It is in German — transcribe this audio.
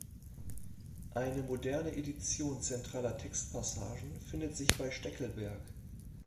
Eine moderne Edition zentraler Textpassagen findet sich bei Steckelberg.